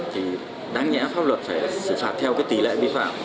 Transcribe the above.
thì đáng nhẽ pháp luật phải xử phạt theo cái tỷ lệ vi phạm